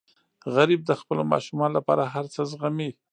غریب د خپلو ماشومانو لپاره هر څه زغمي